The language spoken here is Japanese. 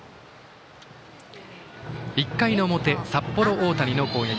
１回の表、札幌大谷の攻撃。